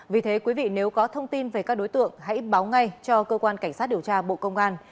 vì thế quý vị nếu có thông tin về các đối tượng hãy báo ngay cho cơ quan cảnh sát điều tra bộ công an